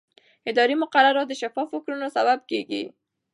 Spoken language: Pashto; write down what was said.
اداري مقررات د شفافو کړنو سبب کېږي.